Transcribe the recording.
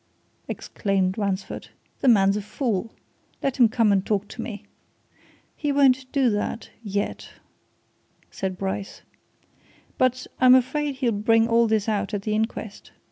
exclaimed Ransford. "The man's a fool! Let him come and talk to me." "He won't do that yet," said Bryce. "But I'm afraid he'll bring all this out at the inquest.